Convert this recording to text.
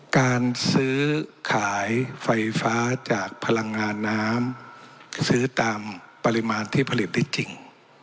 การซื้อขายไฟฟ้าจากพลังงานน้ำซื้อตามปริมาณที่ผลิตได้จริง